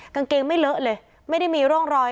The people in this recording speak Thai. กางเกงไม่เลอะเลยไม่ได้มีร่องรอย